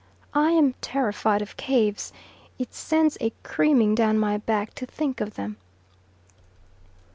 I am terrified of caves; it sends a creaming down my back to think of them.